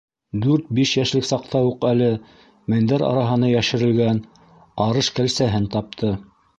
Дүрт-биш йәшлек саҡта уҡ әле мендәр араһына йәшерелгән арыш кәлсәһен тапты.